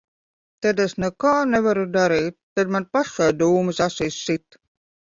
Tad es nekā nevaru darīt. Tad man pašai dūmus acīs sit.